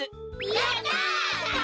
やった！